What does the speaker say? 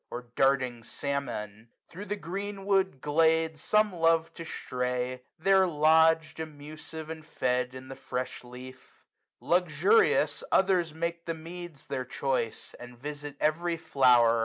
Or darting salmon. Thro' the green wood glade Some love to stray; there lodg'd, amus'd and fed, 255 In the fresh leaf. Luxurious, others make The meads their choice, and visit every flower.